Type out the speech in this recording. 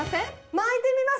巻いてみます。